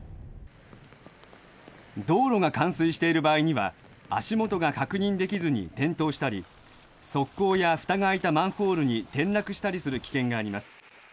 道路が冠水している場合には足元が確認できずに転倒したり側溝やふたが開いたマンホールに転落したりする危険があります。